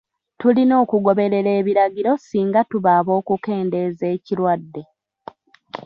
Tulina okugoberera ebiragiro singa tuba ab'okukendeeza ekirwadde.